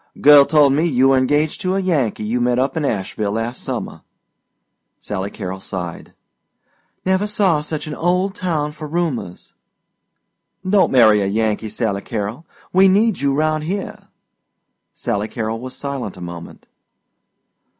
"Girl told me you were engaged to a Yankee you met up in Asheville last summer." Sally Carrol sighed. "Never saw such an old town for rumors." "Don't marry a Yankee, Sally Carrol. We need you round here." Sally Carrol was silent a moment.